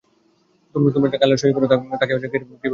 তোমরা যাকে আল্লাহর শরীক কর আমি তাকে কিরূপে ভয় করব?